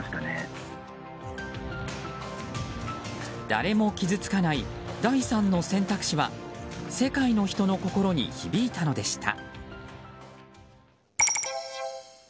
誰も傷つかない第３の選択肢は世界の人の心に響いたのでした。